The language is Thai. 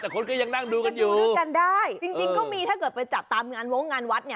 แต่คนก็ยังนั่งดูกันอยู่จริงก็มีถ้าเกิดไปจัดตามงานโว้งงานวัด